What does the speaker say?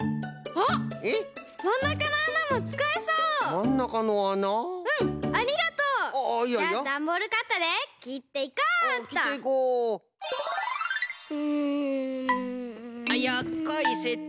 あっよっこいせっと。